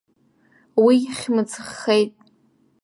Уи хьмыӡӷхеит.